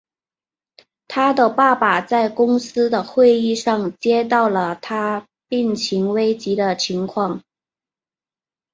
他的爸爸在公司的会议上接到了他病情危机的情况。